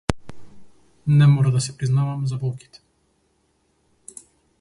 Не мора да си признаваме за болките.